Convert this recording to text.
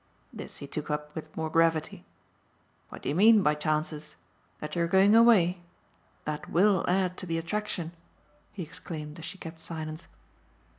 This he took up with more gravity. "What do you mean by chances? That you're going away? That WILL add to the attraction!" he exclaimed as she kept silence.